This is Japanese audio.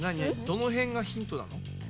どのへんがヒントなの？